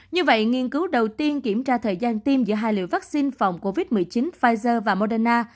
như vậy nghiên cứu đầu tiên kiểm tra thời gian tiêm giữa hai liệu vaccine phòng covid một mươi chín pfizer và moderna